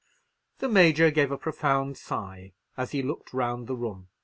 The Major gave a profound sigh as he looked round the room.